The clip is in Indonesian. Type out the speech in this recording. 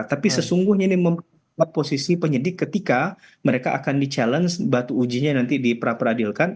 tapi sesungguhnya memperoleh posisi penyidik ketika mereka akan di challenge batu ujinya nanti di peradilan